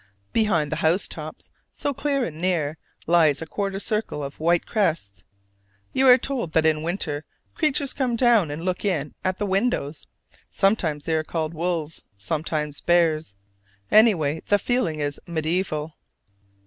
Behind the house tops, so close and near, lies a quarter circle of white crests. You are told that in winter creatures come down and look in at the windows: sometimes they are called wolves, sometimes bears any way the feeling is mediæval.